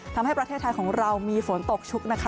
ทำให้ประเทศไทยของเรามีฝนตกชุกนะคะ